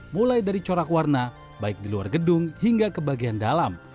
mulai dari corak warna baik di luar gedung hingga ke bagian dalam